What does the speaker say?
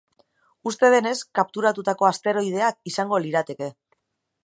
Uste denez kapturatutako asteroideak izango lirateke.